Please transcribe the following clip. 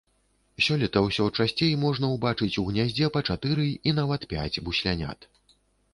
Сёлета ўсё часцей можна ўбачыць у гняздзе па чатыры і нават пяць буслянят.